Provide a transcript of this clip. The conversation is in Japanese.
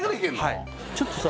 はいちょっとさ